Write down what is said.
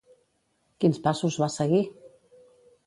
Quins passos va seguir?